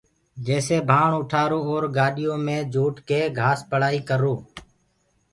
جيسي ڀآڻ اُٺآوو اور گآڏِيو مي جوٽڪي گھآس پݪائيٚ ڪروو